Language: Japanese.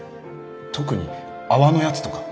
特に泡のやつとか